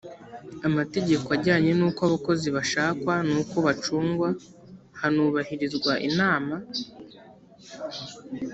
amategeko ajyanye n uko abakozi bashakwa n uko bacungwa hanubahirizwa inama